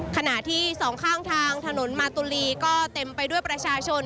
ขณะที่สองข้างทางถนนมาตุลีก็เต็มไปด้วยประชาชน